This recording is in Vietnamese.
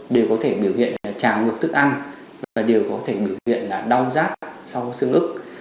đều có thể biểu hiện tràn ngược thức ăn và đều có thể biểu hiện là đau rát sau xương ức